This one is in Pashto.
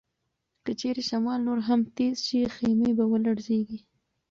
که چیرې شمال نور هم تېز شي، خیمې به ولړزيږي.